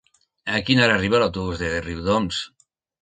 A quina hora arriba l'autobús de Riudoms?